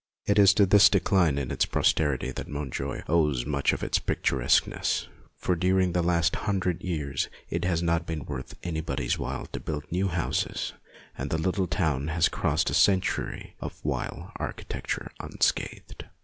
It is to this decline in its prosperity that Montjoie owes much of its picturesqueness, for during the last hundred years it has not been worth anybody's while to build new houses, and the little town has crossed a century of vile architecture unscathed.